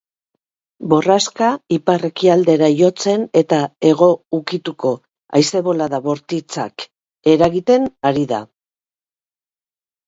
Borraska ipar-ekialdera jotzen eta hego ukituko haize-bolada bortitzak eragiten ari da.